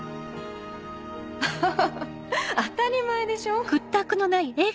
アハハ当たり前でしょ？